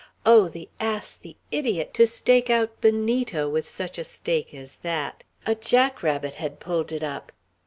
Oh, the ass, the idiot, to stake out Benito with such a stake as that! A jack rabbit had pulled it up.